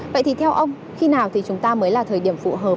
vậy thì theo ông khi nào thì chúng ta mới là thời điểm phù hợp